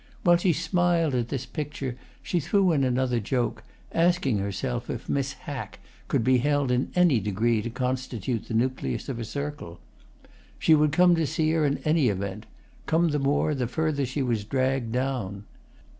While she smiled at this picture she threw in another joke, asking herself if Miss Hack could be held in any degree to constitute the nucleus of a circle. She would come to see her, in any event—come the more the further she was dragged down.